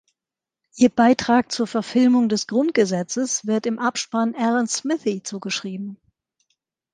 Ihr Beitrag zur Verfilmung des Grundgesetzes wird im Abspann Alan Smithee zugeschrieben.